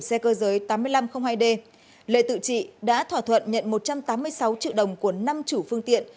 xe cơ giới tám nghìn năm trăm linh hai d lê tự trị đã thỏa thuận nhận một trăm tám mươi sáu triệu đồng của năm chủ phương tiện